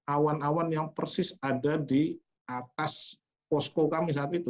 awan awan yang persis ada di atas posko kami saat itu